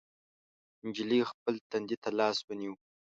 نجلۍ خپل تندي ته لاس ونيو.